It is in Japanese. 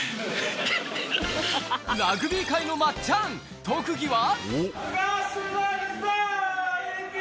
ラグビー界の松ちゃん特技は